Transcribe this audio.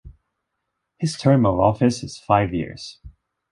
His term of office is five years.